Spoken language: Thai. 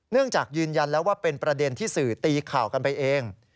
จากยืนยันแล้วว่าเป็นประเด็นที่สื่อตีข่าวกันไปเอง